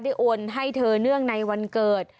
โอนให้เธอเนื่องในวันเกิด